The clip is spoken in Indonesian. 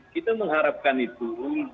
kita mengharapkan itu